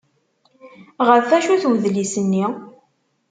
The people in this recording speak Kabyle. Ɣef wacu-t udlis-nni?